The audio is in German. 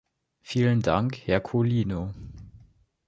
Vielen Dank, Herr Colino.